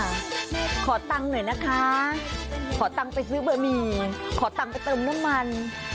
ชอบคุณตังค่ะขอตังหน่อยนะคะขอตังไปซื้อเบอร์หมีขอตังไปเติมน้ำมัน